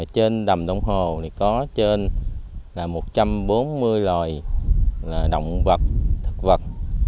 trên đầm đông hồ có trên một trăm bốn mươi loài động vật thực vật